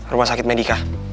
rumah sakit medika